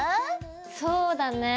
そうだねぇ。